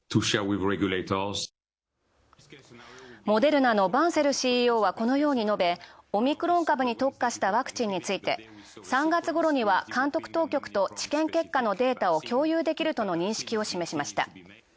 モデルナのバンセルＣＥＯはこのように述べ、オミクロン株に特化したワクチンについて３月ごろには監督当局とデータを共有できるとの認識を示しました。